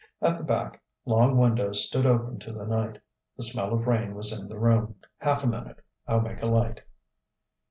At the back, long windows stood open to the night. The smell of rain was in the room. "Half a minute: I'll make a light."